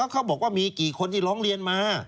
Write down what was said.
เขาบอกว่ามีกี่คนที่ร้องเรียนมา